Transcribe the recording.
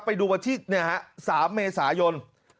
ไปดูวันที่๓เมษายน